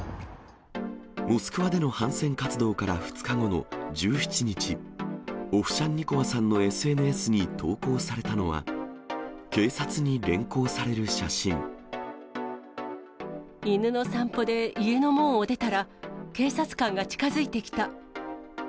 モスクワでの反戦活動から２日後の１７日、オフシャンニコワさんのＳＮＳに投稿されたのは、警察に連行され犬の散歩で家の門を出たら、警察官が近づいてきた。